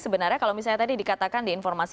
sebenarnya kalau misalnya tadi dikatakan di informasi